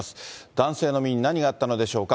男性の身に何があったのでしょうか。